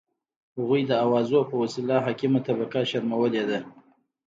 هغوی د اوازو په وسیله حاکمه طبقه شرمولي ده.